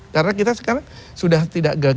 karena kita sekarang sudah tidak gampang